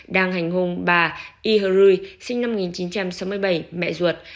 đang hành hung bà y hơ rươi sinh năm một nghìn chín trăm sáu mươi bảy mẹ ruột